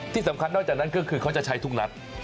ที่สำคัญนอกจากนั้นก็คือเขาจะใช้ทุกนัด